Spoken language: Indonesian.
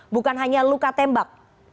bukan hanya luka tembak